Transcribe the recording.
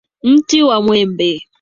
Mti wa mwembe.